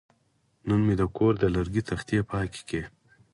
نن مې د کور د لرګي تختې پاکې کړې.